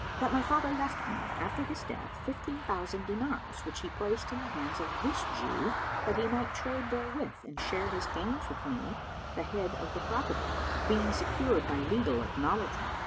that my father left me, after his death, fifteen thousand dinars, which he placed in the hands of this Jew, that he might trade therewith and share his gains with me, the head of the property[FN#360] being secured by legal acknowledgment.